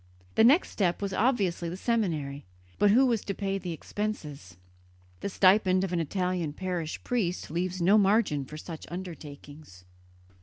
The next step was obviously the seminary; but who was to pay the expenses? The stipend of an Italian parish priest leaves no margin for such undertakings.